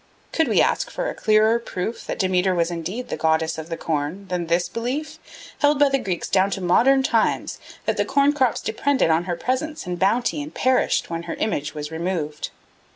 Could we ask for a clearer proof that Demeter was indeed the goddess of the corn than this belief, held by the Greeks down to modern times, that the corn crops depended on her presence and bounty and perished when her image was removed?